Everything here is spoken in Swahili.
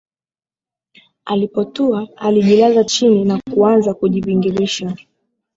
Alipotua alijilaza chini na kuanza kujivingirisha